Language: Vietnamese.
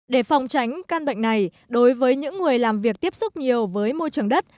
để phòng tránh căn bệnh này đối với những người làm việc tiếp xúc nhiều với môi trường đất